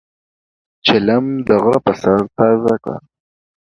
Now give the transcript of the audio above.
چیلم د غرۀ پۀ سر تازه کړه.